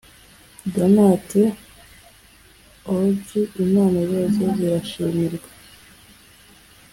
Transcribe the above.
donate jw org Impano zose zirishimirwa